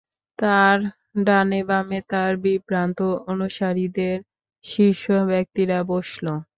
তার ডানে বামে তার বিভ্রান্ত অনুসারীদের শীর্ষ ব্যক্তিরা বসল।